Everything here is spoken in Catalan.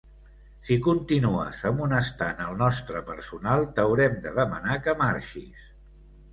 Si continues amonestant el nostre personal, t'haurem de demanar que marxis.